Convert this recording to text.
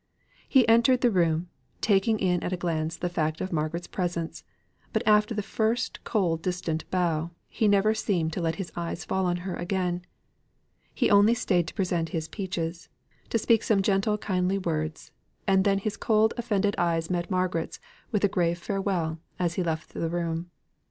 He entered the room, taking in at a glance the fact of Margaret's presence; but after the first cold distant bow, he never seemed to let his eyes fall on her again. He only stayed to present his peaches to speak some gentle kindly words and then his cold offended eyes met Margaret's with a grave farewell, as he left the room.